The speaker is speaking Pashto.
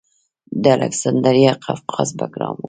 د الکسندریه قفقاز بګرام و